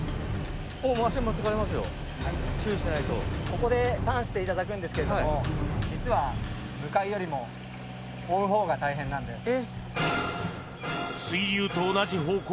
ここでターンしていただくんですけど実は向かうよりも追うほうが大変なんです。